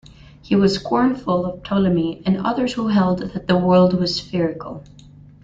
He was scornful of Ptolemy and others who held that the world was spherical.